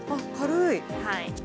軽い。